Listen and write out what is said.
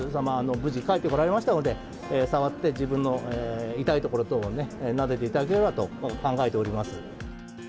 無事帰ってこられましたので、触って自分の痛いところ等をね、なでていただければと考えております。